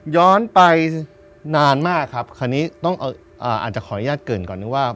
ย้อนไปนานมากครับคราวนี้ต้องอาจจะขออนุญาตเกินก่อนนึงว่า